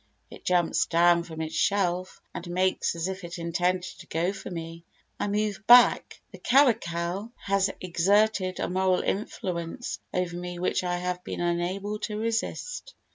It jumps down from its shelf and makes as if it intended to go for me. I move back. The caracal has exerted a moral influence over me which I have been unable to resist.